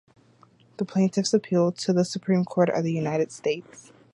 The plaintiffs appealed to the Supreme Court of the United States.